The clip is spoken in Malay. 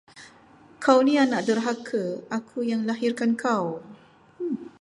Kau ni anak derhaka, aku yang lahirkan kau.